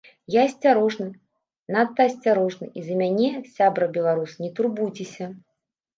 Я асцярожны, надта асцярожны, і за мяне, сябра беларус, не турбуйцеся.